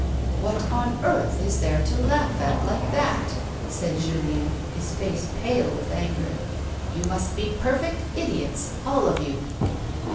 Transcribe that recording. " What on earth is there to laugh at like that 1 " said Julien, his face pale with anger. "You must be perfect idiots, all of you."